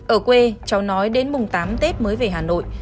ở quê cháu nói đến mùng tám tết mới về hà nội